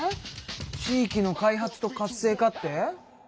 地域の開発と活性化って？